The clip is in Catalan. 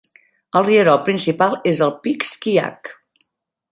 El rierol principal és el Pixquiac.